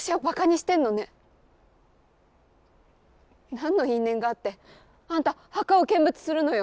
何の因縁があってあんた墓を見物するのよ。